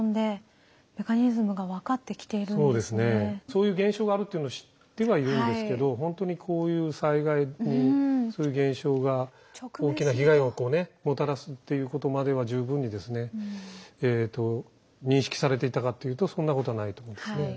そういう現象があるっていうのを知ってはいるんですけどほんとにこういう災害にそういう現象が大きな被害をこうねもたらすっていうことまでは十分に認識されていたかっていうとそんなことはないと思うんですね。